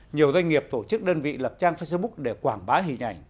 nhiều doanh nghiệp tổ chức đơn vị lập trang facebook để quảng bá hình ảnh